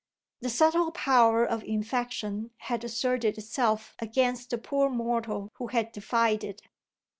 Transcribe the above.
The subtle power of infection had asserted itself against the poor mortal who had defied it.